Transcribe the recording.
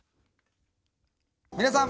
皆さん。